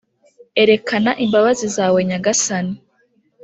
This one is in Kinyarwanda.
Erekana imbabazi zawe Nyagasani